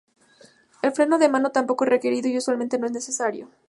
El freno de mano tampoco es requerido y usualmente no es necesario.